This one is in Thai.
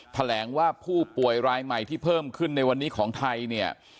แถลงว่าผู้ป่วยรายใหม่ที่เพิ่มขึ้นในวันนี้ของไทยเนี่ย